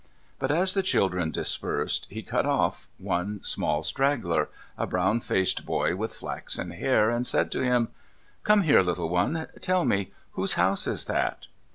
But, as the children dispersed, he cut off one small straggler — a brown faced boy with flaxen hair — and said to him :' Come here, little one. Tell me, whose house is that?'